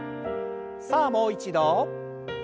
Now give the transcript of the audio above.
さあもう一度。